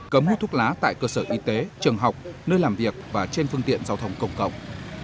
cấm hút thuốc lá tại cơ sở y tế trường học nơi làm việc và trên phương tiện giao thông công cộng